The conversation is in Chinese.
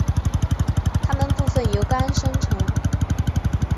它们部分由肝生成。